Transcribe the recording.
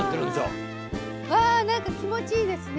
うわ何か気持ちいいですね。